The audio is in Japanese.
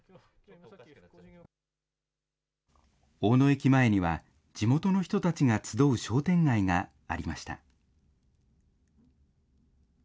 大野駅前には、地元の人たちが集う商店街がありました。